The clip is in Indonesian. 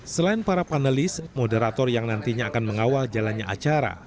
selain para panelis moderator yang nantinya akan mengawal jalannya acara